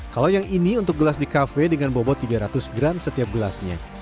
kalau yang ini untuk gelas di kafe dengan bobot tiga ratus gram setiap gelasnya